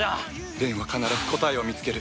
蓮は必ず答えを見つける。